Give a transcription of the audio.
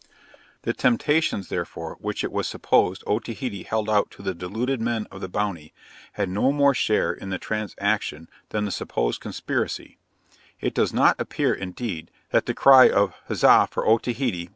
The temptations, therefore, which it was supposed Otaheite held out to the deluded men of the Bounty, had no more share in the transaction than the supposed conspiracy; it does not appear, indeed, that the cry of 'Huzza for Otaheite!'